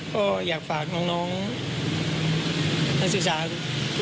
ก็อยากฝากน้องนักศึกษาทุกคนนะครับ